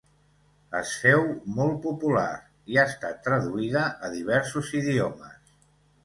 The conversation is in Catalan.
Es féu molt popular i ha estat traduïda a diversos idiomes.